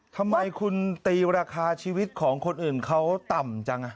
ทำไมคุณตีราคาชีวิตของคนอื่นเขาต่ำจัง